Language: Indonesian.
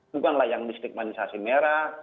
bukanlah yang di stigmanisasi merah